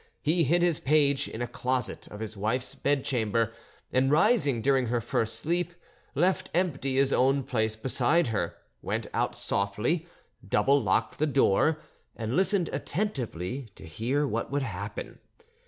He hid his page in a closet of his wife's bedchamber, and, rising during her first sleep, left empty his own place beside her, went out softly, double locked the door, and listened attentively to hear what would happen.